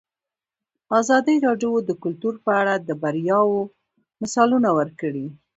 ازادي راډیو د کلتور په اړه د بریاوو مثالونه ورکړي.